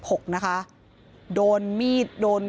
เหตุการณ์เกิดขึ้นแถวคลองแปดลำลูกกา